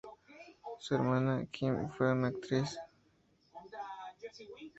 Su hermana, Kim, fue una actriz.